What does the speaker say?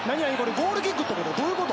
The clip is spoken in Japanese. ゴールキックってこと？